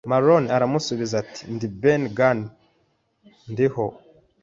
Maroon aramusubiza ati: "Ndi Ben Gunn, Ndiho."